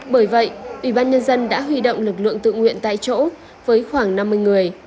bởi vậy ủy ban nhân dân đã huy động lực lượng tự nguyện tại chỗ với khoảng năm mươi người